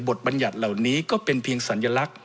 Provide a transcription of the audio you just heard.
บัญญัติเหล่านี้ก็เป็นเพียงสัญลักษณ